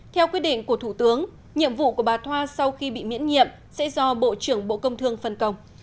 theo quyết định của thủ tướng nhiệm vụ của bà thoa sau khi bị miễn nhiệm sẽ do bộ trưởng bộ công thương phân công